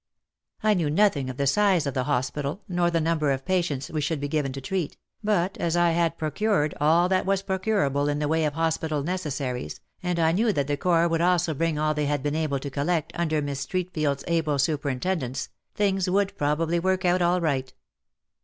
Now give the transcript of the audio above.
I knew nothing of the size of the hospital nor the number of patients we should be given to treat, but as I had pro cured all that was procurable in the way of hospital necessaries, and I knew that the Corps would also bring all they had been able to collect under Miss Streatfeild's able superin tendence, things would probably work out all right.